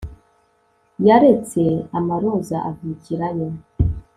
Yaretse amaroza avukirayo